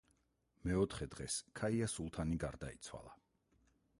მეოთხე დღეს ქაია სულთანი გარდაიცვალა.